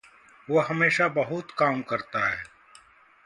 वह हमेशा बहुत काम करता है।